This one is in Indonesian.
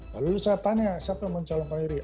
lalu saya tanya siapa yang mencalonkan diri